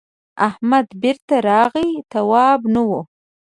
احمد بېرته راغی تواب نه و.